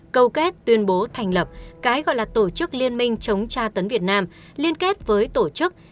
câu kết tuyên bố thành lập cái gọi là tổ chức liên minh chống tra tấn việt nam liên kết với tổ chức